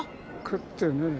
食ってねえ。